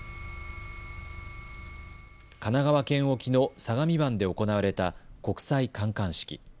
神奈川県沖の相模湾で行われた国際観艦式。